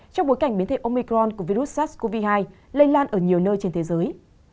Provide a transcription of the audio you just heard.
trong bối cảnh biến thể omicron của virus sars cov hai lây lan ở nhiều nơi trên thế giới